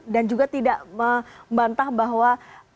dan juga tidak membantah bahwa